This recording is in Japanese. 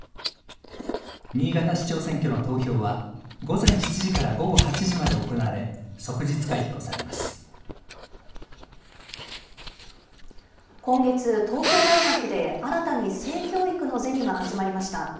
新潟市長選挙の投票は、午前７時から午後８時まで行われ、即日開今月、東京大学で新たに性教育のゼミが始まりました。